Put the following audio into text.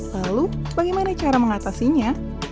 lalu bagaimana cara mengatasinya